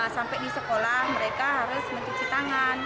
sampai di sekolah mereka harus mencuci tangan